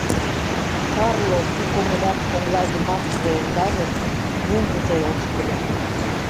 Карло пу комылям коҥла йымакыже ӧндалын, мӧҥгыжӧ ошкыльо.